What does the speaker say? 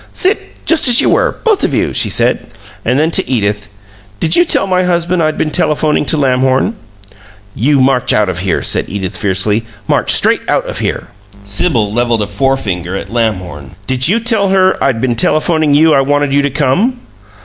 "Sit just as you were both of you!" she said. And then to Edith: "Did you tell my husband I had been telephoning to Lamhorn?" "You march out of here!" said Edith, fiercely. "March straight out of here!" Sibyl leveled a forefinger at Lamhorn. "Did you tell her I'd been telephoning you I wanted you to come?"